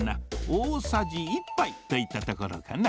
大さじ１ぱいといったところかな。